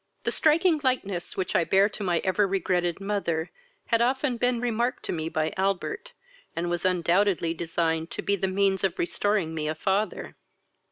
The striking likeness which I bear to my ever regretted mother had often been remarked to me by Albert, and was undoubtedly designed to be the means of restoring me a father.